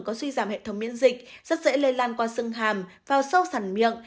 có suy giảm hệ thống miễn dịch rất dễ lây lan qua xương hàm vào sâu sàn miệng